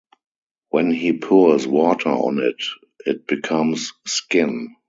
When he pours water on it, it becomes skin.